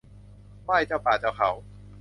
ไหว้เจ้าป่าเจ้าเขา